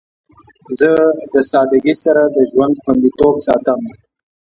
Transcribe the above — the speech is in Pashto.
زه د سادگی سره د ژوند خوندیتوب ساتم.